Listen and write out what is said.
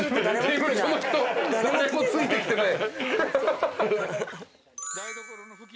誰もついてきてない。